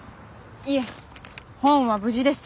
いえ本は無事ですよ。